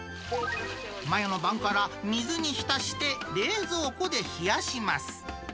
前の晩から水に浸して冷蔵庫で冷やします。